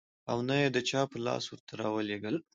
او نه يې د چا په لاس ورته راولېږل .